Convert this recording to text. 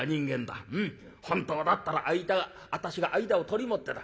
うん本当だったら私が間を取り持ってだ